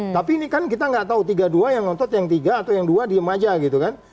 tapi ini kan kita nggak tahu tiga dua yang ngotot yang tiga atau yang dua diem aja gitu kan